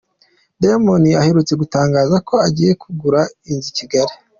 Diamond aherutse gutangaza ko agiye kugura inzu i Kigali.